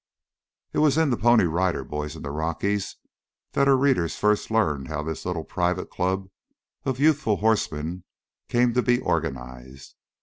It was in "The Pony Rider Boys in the Rockies" that our readers first learned how this little private club of youthful horsemen came to be organized.